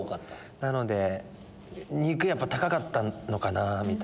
なので肉やっぱ高かったのかな。